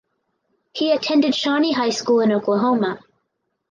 He attended Shawnee High School in Oklahoma.